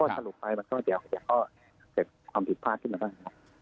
เพราะสรุปไฟล์เดี๋ยวจะเต็มความผิดภาครึ่งเดียว